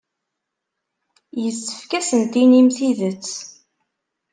Yessefk ad asen-tinim tidet.